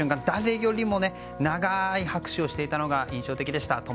誰よりも長い拍手をしていたのが印象的でした。